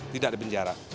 tidak di penjara